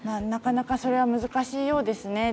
なかなかそれは難しいようです。